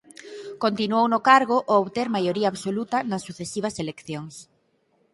Continuou no cargo ao obter maioría absoluta nas sucesivas eleccións.